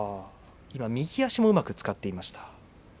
右の右足をうまく使っていました。